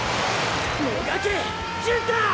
もがけ純太！